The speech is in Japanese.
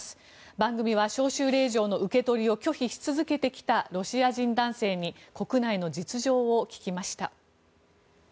番組は招集令状の受け取りを拒否し続けてきたロシア人男性に国内の実情を聞きました。